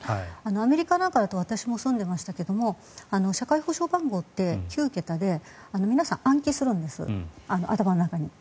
アメリカなんかだと私も住んでいましたが社会保障番号って９桁で皆さん暗記するんです頭の中に。